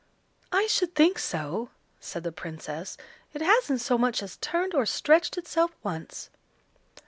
"I should think so," said the Princess; "it hasn't so much as turned or stretched itself once."